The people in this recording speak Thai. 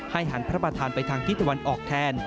หันพระประธานไปทางทิศตะวันออกแทน